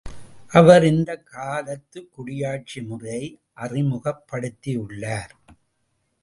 அவர் இந்தக் காலத்துக்குடியாட்சி முறையை அறிமுகப்படுத்தியுள்ளார்.